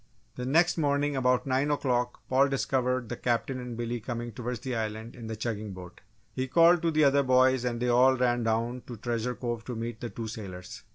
The next morning about nine o'clock Paul discovered the Captain and Billy coming toward the Island in the chugging boat. He called to the other boys and they all ran down to Treasure Cove to meet the two sailors.